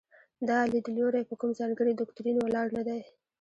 دا لیدلوری په کوم ځانګړي دوکتورین ولاړ نه دی.